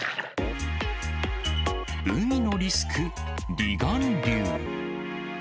海のリスク、離岸流。